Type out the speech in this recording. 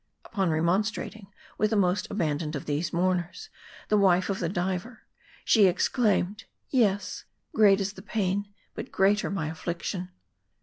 Upon remonstrating with the most abandoned of these mourners, the wife of the diver, she exclaimed, "Yes; great is the pain, but greater my affliction."